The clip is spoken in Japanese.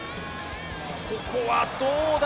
ここはどうだ？